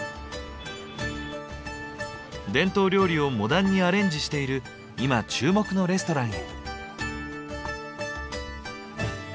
伝統料理をモダンにアレンジしている今注目のレストランへ。